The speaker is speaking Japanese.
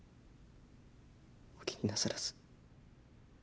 お気になさらず。